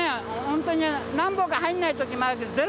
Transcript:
ホントに何本か入らない時もあるけど。